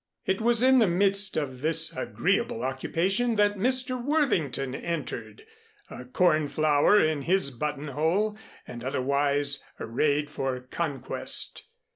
It was in the midst of this agreeable occupation that Mr. Worthington entered, a corn flower in his buttonhole and otherwise arrayed for conquest.